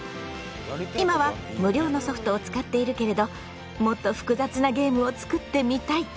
今は無料のソフトを使っているけれどもっと複雑なゲームを作ってみたい。